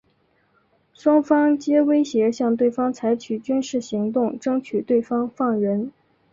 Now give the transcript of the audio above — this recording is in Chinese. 双方皆威胁向对方采取军事行动争取对方放人。